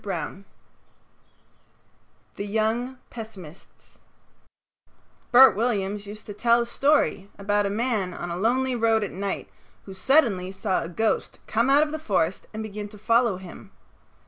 XXV THE YOUNG PESSIMISTS Bert Williams used to tell a story about a man on a lonely road at night who suddenly saw a ghost come out of the forest and begin to follow him.